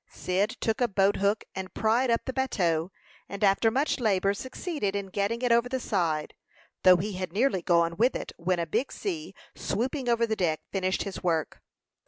Cyd took a boat hook, and pried up the bateau, and after much labor succeeded in getting it over the side, though he had nearly gone with it, when a big sea, swooping over the deck, finished his work.